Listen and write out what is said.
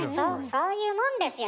そういうもんですよ